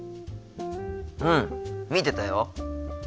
うん見てたよ。